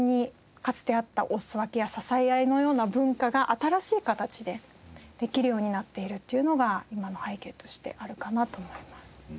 かつてあったおすそ分けや支え合いのような文化が新しい形でできるようになっているというのが今の背景としてあるかなと思います。